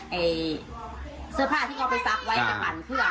เขาไปซื้อกระเป๋าร้านที่อย่างนี้ถึง